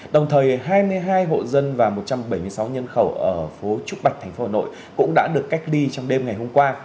đồng thời hai mươi hai hộ dân và một trăm bảy mươi sáu nhân khẩu ở phố trúc bạch tp hà nội cũng đã được cách ly trong đêm ngày hôm qua